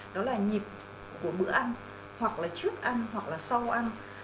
đó là nhịp của bữa ăn hoặc là trước ăn hoặc là sau ăn